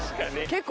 結構。